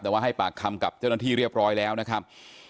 แต่ว่าให้ปากคำกับเจ้าหน้าที่เรียบร้อยแล้วนะครับ